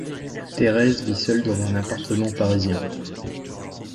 Thérèse vit seule dans un appartement parisien.